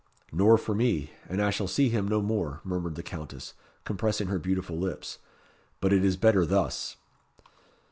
"Nor for me and I shall see him no more," murmured the Countess, compressing her beautiful lips. "But it is better thus."